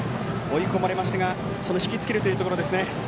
追い込まれましたが引き付けるというところですね。